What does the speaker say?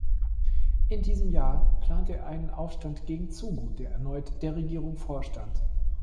In diesem Jahr plante er einen Aufstand gegen Zogu, der erneut der Regierung vorstand.